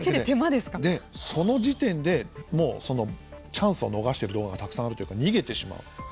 その時点でもうチャンスを逃してる動画がたくさんあるというか逃げてしまう。